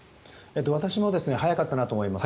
私も早かったなと思います。